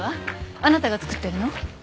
あなたが作ってるの？